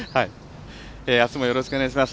あすもよろしくお願いします。